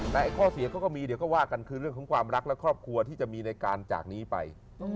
แต่ข้อเสียเขาก็มีเดี๋ยวก็ว่ากันคือเรื่องของความรักและครอบครัวที่จะมีในการจากนี้ไป